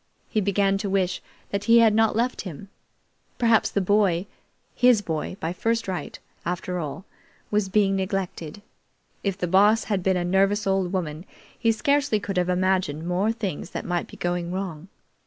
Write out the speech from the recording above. He began to wish that he had not left him. Perhaps the boy his boy by first right, after all was being neglected. If the Boss had been a nervous old woman, he scarcely could have imagined more things that might be going wrong.